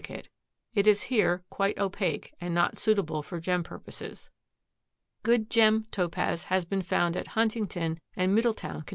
It is here quite opaque and not suitable for gem purposes. Good gem Topaz has been found at Huntington and Middletown, Conn.